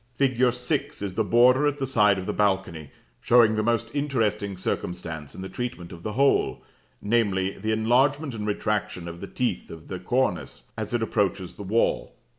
Fig. 6 is the border at the side of the balcony, showing the most interesting circumstance in the treatment of the whole, namely, the enlargement and retraction of the teeth of the cornice, as it approaches the wall.